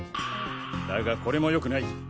だがコレもよくない。